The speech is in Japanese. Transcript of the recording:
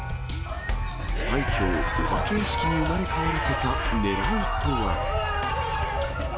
廃虚をお化け屋敷に生まれ変わらせたねらいとは。